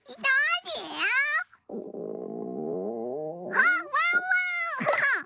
あワンワン！